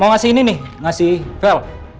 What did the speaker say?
mau ngasih ini nih ngasih pel